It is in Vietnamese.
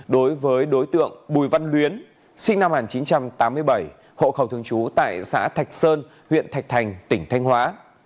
đối với đối tượng bùi văn luyến sinh năm một nghìn chín trăm tám mươi bảy hộ khẩu thường trú tại xã thạch sơn huyện thạch thành tỉnh thanh hóa